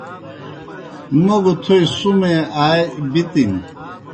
موْ گہ تھوئے سُمے آ بِتِن۔